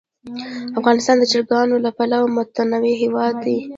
افغانستان د چرګانو له پلوه متنوع هېواد دی.